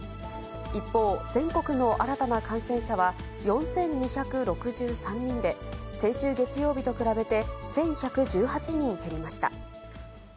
一方、全国の新たな感染者は４２６３人で、先週月曜日と比べて１１１８人減りました。